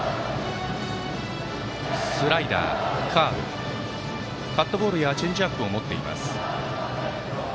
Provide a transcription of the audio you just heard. スライダー、カーブカットボールやチェンジアップを持っています。